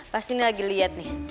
pasti ini lagi lihat nih